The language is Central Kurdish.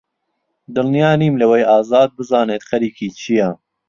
دڵنیا نیم لەوەی ئازاد بزانێت خەریکی چییە.